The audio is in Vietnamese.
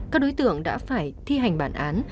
các đối tượng đã phải thi hành bản án